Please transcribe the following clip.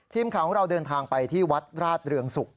ทีมข่าวของเราเดินทางไปที่วัดราชเรืองศุกร์